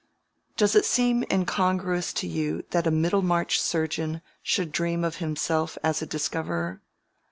Does it seem incongruous to you that a Middlemarch surgeon should dream of himself as a discoverer?